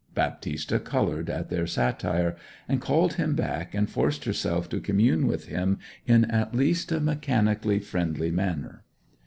Baptista coloured at their satire, and called him back, and forced herself to commune with him in at least a mechanically friendly manner.